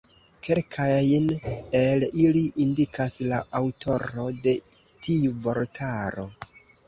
Kelkajn el ili indikas la aŭtoro de tiu vortaro.